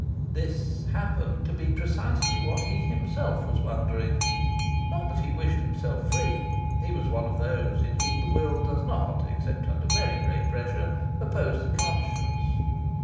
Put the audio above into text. This happened to be precisely what he himself was wondering. Not that he wished himself free. He was one of those in whom the will does not, except under very great pressure, oppose the conscience.